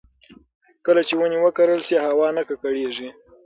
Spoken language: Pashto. کله چې ونې وکرل شي، هوا نه ککړېږي.